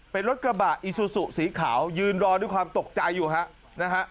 เป็นรถกระบะอีซูซูสีขาวยืนรอด้วยความตกใจอยู่ฮะนะฮะ